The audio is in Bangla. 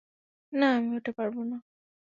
না, আমি ওটা পরবো না!